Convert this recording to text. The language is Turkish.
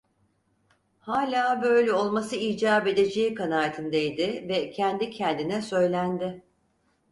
Hâlâ böyle olması icap edeceği kanaatindeydi ve kendi kendine söylendi: